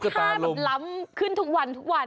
เก๋ถ้าแบบล้ำขึ้นทุกวันทุกวัน